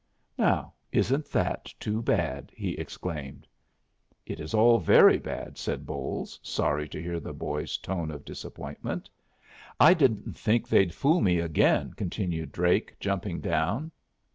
"Now isn't that too bad!" he exclaimed. "It is all very bad," said Bolles, sorry to hear the boy's tone of disappointment. "I didn't think they'd fool me again," continued Drake, jumping down.